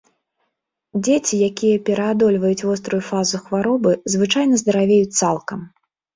Дзеці, якія пераадольваюць вострую фазу хваробы, звычайна здаравеюць цалкам.